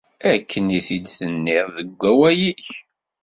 Akken i t-id-tenniḍ deg wawal-ik!